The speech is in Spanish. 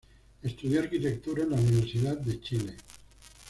Estudió arquitectura en la Universidad de Chile.